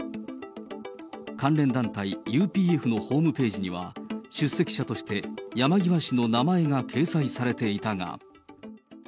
関連団体ＵＰＦのホームページには、出席者として山際氏の名前が掲載されていたが。